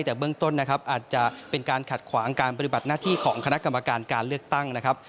แต่เบื้องต้นนะครับอาจจะเป็นการขัดขวางการปฏิบัติหน้าที่ของคณะกรรมการการเลือกตั้งนะครับ